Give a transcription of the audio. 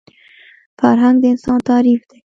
فرهنګ د انسان تعریف دی